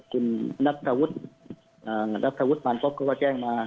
คุณนักษวทนักษวุทธ์มรก็แจ้งมา